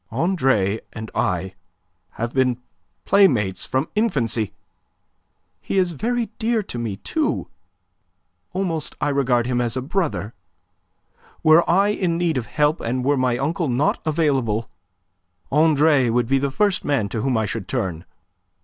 "Andre and I have been playmates from infancy. He is very dear to me, too; almost I regard him as a brother. Were I in need of help, and were my uncle not available, Andre would be the first man to whom I should turn.